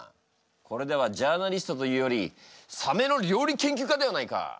これではジャーナリストというよりサメの料理研究家ではないか！